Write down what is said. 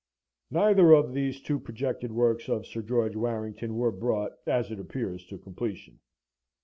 [Neither of these two projected works of Sir George Warrington were brought, as it appears, to a completion.